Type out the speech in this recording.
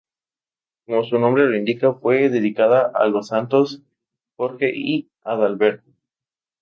Como su nombre lo indica fue dedicada a los Santos Jorge y Adalberto.